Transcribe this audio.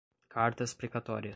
cartas precatórias